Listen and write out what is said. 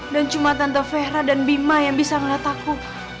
dan cuma tante fera dan bima yang bisa melihat aku